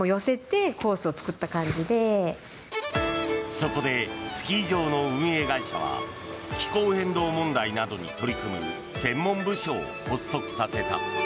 そこでスキー場の運営会社は気候変動問題などに取り組む専門部署を発足させた。